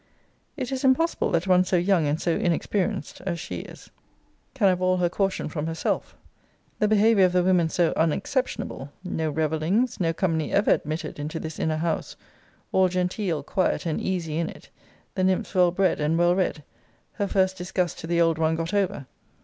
It is impossible that one so young and so inexperienced as she is can have all her caution from herself; the behaviour of the women so unexceptionable; no revellings, no company ever admitted into this inner house; all genteel, quiet, and easy in it; the nymphs well bred, and well read; her first disgusts to the old one got over.